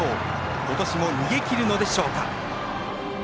今年も逃げきるのでしょうか。